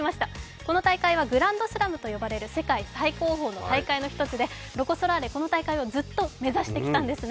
この大会はグランドスラムと呼ばれる世界最高峰の大会でロコ・ソラーレ、この大会をずっと目指してきたんですね。